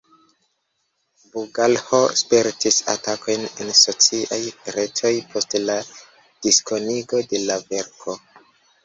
Bugalho spertis atakojn en sociaj retoj post la diskonigo de la verko.